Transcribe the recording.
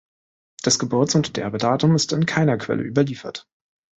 Das Geburts- und Sterbedatum ist in keiner Quelle überliefert.